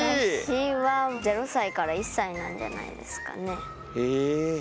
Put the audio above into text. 私は０歳から１歳なんじゃないですかね。へえ！